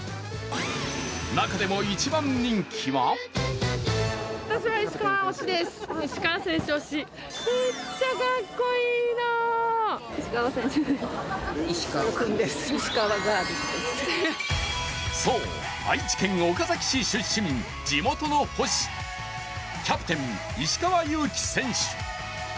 中でも一番人気はそう、愛知県岡崎市出身地元の星、キャプテン・石川祐希選手。